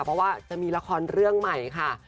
เพราะว่าจะมีละครเรื่องใหม่ค่ะ